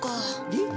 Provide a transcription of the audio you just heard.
えっ？